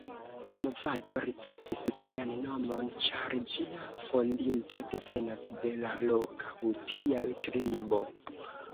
La movado ricevis sian nomon ĉar ĝia fondinto devenas de la loka hutia tribo.